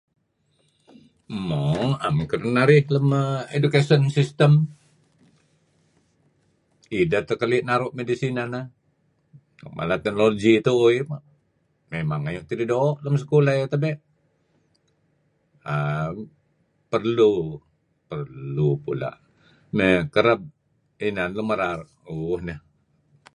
Mo am kedinarih lem education system ideh teh keli' naru' nuk midih sineh neh. Mala teknologi tuuh dih mimang ayu' tidih doo' ngi sekolah. Perlu, perlu pula', may kereb inan lun merar.